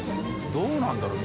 どうなんだろう？